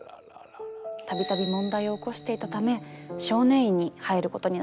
度々問題を起こしていたため少年院に入ることになってしまいます。